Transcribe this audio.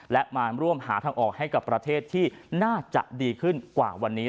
และมาร่วมหาทางออกให้กับประเทศที่น่าจะดีขึ้นกว่าวันนี้